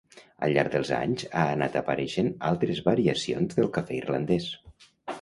Al llarg dels anys, ha anat apareixent altres variacions del cafè irlandès.